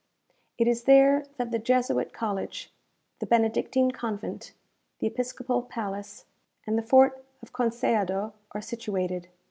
It is there that the Jesuit college, the Benedictine convent, the episcopal palace, and the Fort of Concéiado are situated.